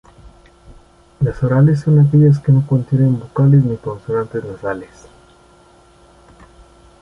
Las orales son aquellas que no contienen vocales ni consonantes nasales.